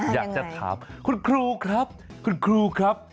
อยากจะถามคุณครูครับคุณครูครับ